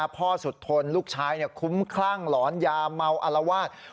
พ่อสุดทนลูกชายคุ้มคลั่งหลอนยาเมาอารวาส